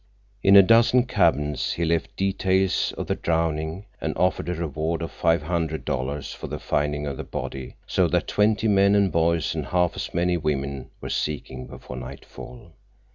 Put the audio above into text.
In a dozen cabins he left details of the drowning and offered a reward of five hundred dollars for the finding of the body, so that twenty men and boys and half as many women were seeking before nightfall.